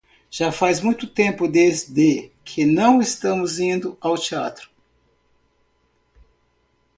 Já faz muito tempo desde que não estamos indo ao teatro.